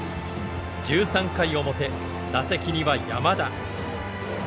１３回表打席には山田。